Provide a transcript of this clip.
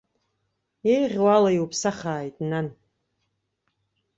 Еиӷьу ала иуԥсахааит, нан.